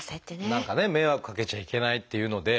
何かね迷惑かけちゃいけないっていうので。